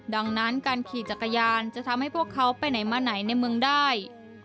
ดังนั้นการขี่จักรยานจะทำให้พวกเขาไปไหนมาไหนในเมืองได้